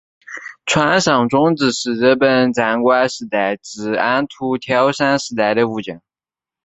川上忠智是日本战国时代至安土桃山时代的武将。